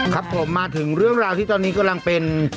ครับผมมาถึงเรื่องราวที่ตอนนี้กำลังเป็น